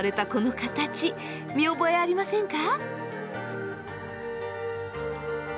見覚えありませんか？